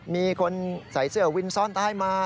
มีคนใส่เสื้อวินซ่อนท้ายมา